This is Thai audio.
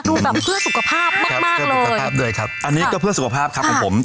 คือเพื่อสุขภาพมากเลยอันนี้ก็เพื่อสุขภาพของผม